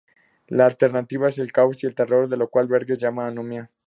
La alternativa es el caos y el terror del cual Berger llama anomia.